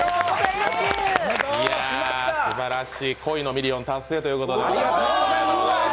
すばらしい、恋のミリオン達成ということで。